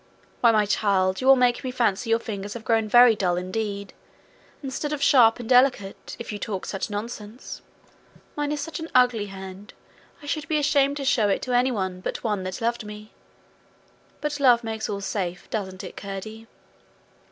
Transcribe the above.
Why, my child, you will make me fancy your fingers have grown very dull indeed, instead of sharp and delicate, if you talk such nonsense. Mine is such an ugly hand I should be ashamed to show it to any but one that loved me. But love makes all safe doesn't it, Curdie?'